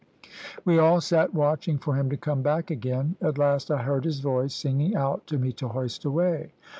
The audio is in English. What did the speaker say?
We all sat watching for him to come back again. At last I heard his voice singing out to me to hoist away.